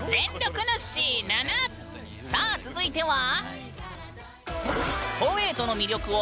さあ続いては。